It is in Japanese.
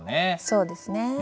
そうですねぇ。